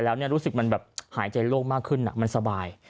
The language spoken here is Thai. แล้วรู้สึกมันแบบหายใจโล่งมากขึ้นมันสบาย